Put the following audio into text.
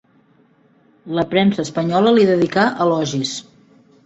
La premsa espanyola li dedicà elogis.